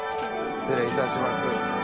失礼いたします。